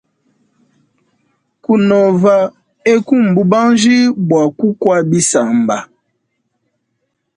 Kunova eku mbubanji bwa kukwa bisamba.